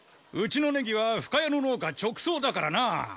うちのネギは深谷の農家直送だからな。